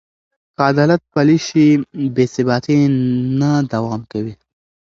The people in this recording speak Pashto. که عدالت پلی شي، بې ثباتي نه دوام کوي.